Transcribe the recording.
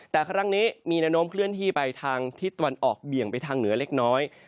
แต่ครั้งนี้มีแนวโน้มเคลื่อนที่ไปทางทิศตะวันออกเบี่ยงไปทางเหนือเล็กน้อย